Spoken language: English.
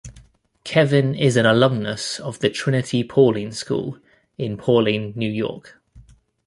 Kevin is an alumnus of the Trinity-Pawling School in Pawling, New York.